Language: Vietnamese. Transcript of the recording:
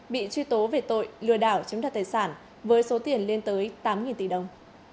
bị truy tố về tội lừa đảo chiếm đặt tài sản với số tiền lên tới tám tỷ đồng